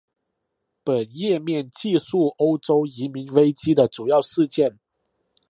本页面记叙欧洲移民危机的主要事件。